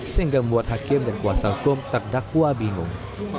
sehingga membuat hakim dan kuasa hukum terdakwa bingung